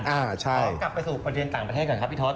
พอกลับไปสู่ประเทศต่างประเทศก่อนครับพี่ท็อต